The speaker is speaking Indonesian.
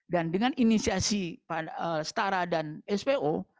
dan dengan inisiasi stara dan spo